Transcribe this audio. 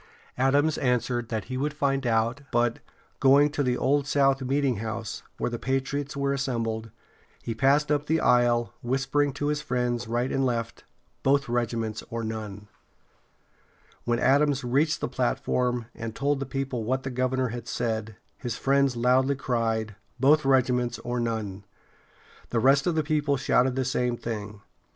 Adams answered that he would find out, but, going to the Old South Meetinghouse, where the patriots were assembled, he passed up the aisle, whispering to his friends right and left: "Both regiments or none." [Illustration: Faneuil Hall.] When Adams reached the platform, and told the people what the governor had said, his friends loudly cried: "Both regiments or none!" The rest of the people shouted the same thing.